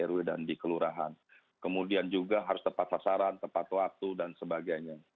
waktu dan sebagainya